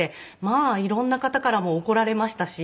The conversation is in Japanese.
まあ色んな方からも怒られましたし。